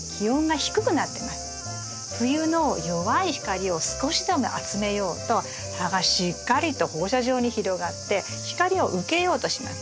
冬の弱い光を少しでも集めようと葉がしっかりと放射状に広がって光を受けようとします。